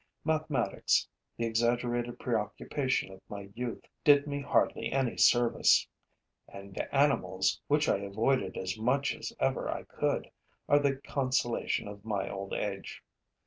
Mathematics, the exaggerated preoccupation of my youth, did me hardly any service; and animals, which I avoided as much as ever I could, are the consolation of my old age.